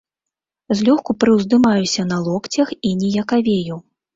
Злёгку прыўздымаюся на локцях і ніякавею.